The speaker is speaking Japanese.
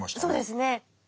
そうですね。